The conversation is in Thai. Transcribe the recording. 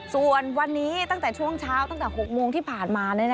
ส่วนวันนี้ตั้งแต่ช่วงเช้าตั้งแต่๖โมงที่ผ่านมา